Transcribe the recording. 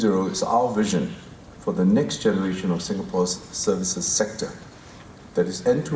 service empat adalah visi kami untuk generasi seterusnya di sektor jasa di singapura